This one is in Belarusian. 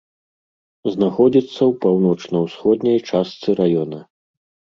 Знаходзіцца ў паўночна-ўсходняй частцы раёна.